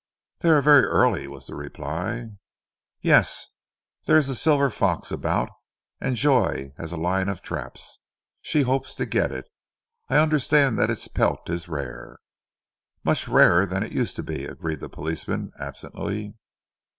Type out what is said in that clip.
"They are very early," was the reply. "Yes! There is a silver fox about, and Joy has a line of traps. She hopes to get it. I understand that its pelt is rare." "Much rarer than it used to be," agreed the policeman absently.